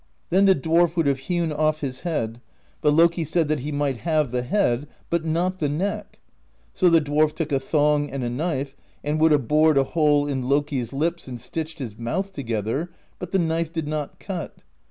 Then the dwarf would have hewn off^ his head; but Loki said that he might have the head, but not the neck. So the dwarf took a thong and a knife, and would have bored a hole in Loki's lips and stitched his mouth together, but the knife did not cut.